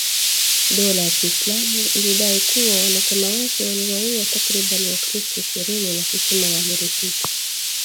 Dola ya kiislamu ilidai kuwa wanachama wake waliwauwa takribani wakristo ishirini na kuchoma malori sita.